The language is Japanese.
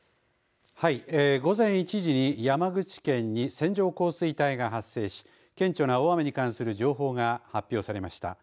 午前１時に山口県に線状降水帯が発生し顕著な大雨に関する情報が発表されました。